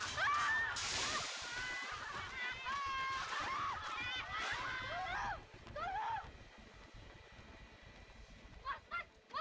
saya sudah berniwa